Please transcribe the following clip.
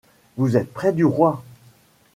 Vous êtes près du Roi.